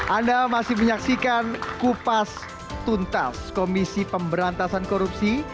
anda masih menyaksikan kupas tuntas komisi pemberantasan korupsi